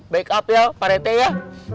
back up ya pak rt ya